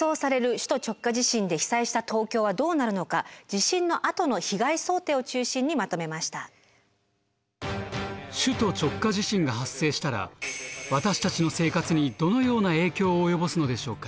首都直下地震が発生したら私たちの生活にどのような影響を及ぼすのでしょうか？